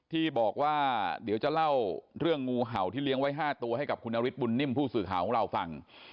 ที่บอกว่าเดี๋ยวจะเล่าเรื่องงูเห่าที่เลี้ยงไว้๕ตัวให้กับคุณนฤทธบุญนิ่มผู้สื่อข่าวของเราฟัง